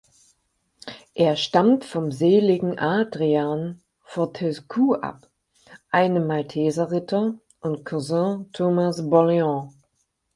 Er stammt vom seligen Adrian Fortescue ab, einem Malteserritter und Cousin Thomas Boleyns.